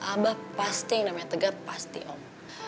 abah pasti yang namanya tegar pasti om